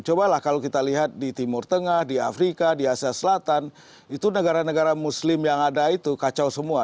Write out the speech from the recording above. cobalah kalau kita lihat di timur tengah di afrika di asia selatan itu negara negara muslim yang ada itu kacau semua